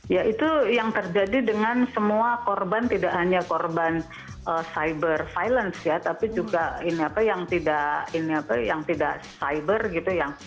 ya itu yang terjadi dengan semua korban tidak hanya korban cyber violence ya tapi juga ini apa yang tidak cyber gitu ya